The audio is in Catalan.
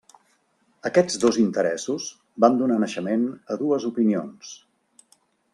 Aquests dos interessos van donar naixement a dues opinions.